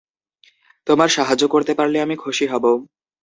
তোমার সাহায্য করতে পারলে আমি খুশি হবো।